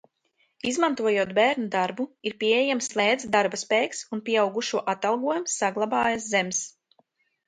Izmantojot bērnu darbu, ir pieejams lēts darbaspēks un pieaugušo atalgojums saglabājas zems.